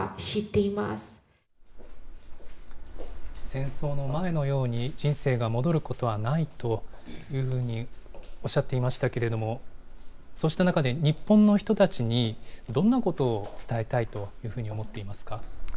戦争の前のように、人生が戻ることはないというふうにおっしゃっていましたけれども、そうした中で、日本の人たちにどんなことを伝えたいというふうに思っていますか。